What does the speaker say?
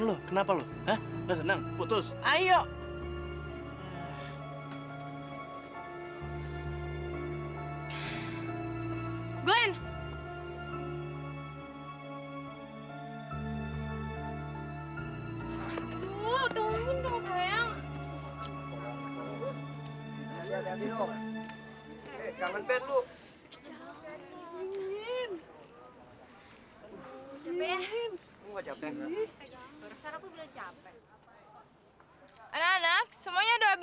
lo kalau nggak mau cari nggak usah nyari